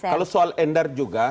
kalau soal endar juga